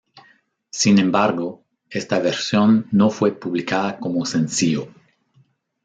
Sin embargo esta versión no fue publicada como sencillo.